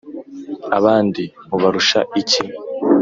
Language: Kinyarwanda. abandi mubarusha iki?